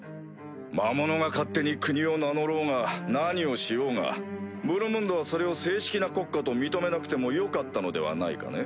魔物が勝手に国を名乗ろうが何をしようがブルムンドはそれを正式な国家と認めなくてもよかったのではないかね？